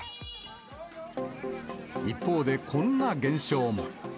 一方でこんな現象も。